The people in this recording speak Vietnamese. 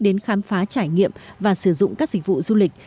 đến khám phá trải nghiệm và sử dụng các dịch vụ du lịch